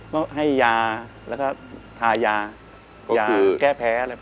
ก็ให้ยาแล้วก็ทายายาแก้แพ้อะไร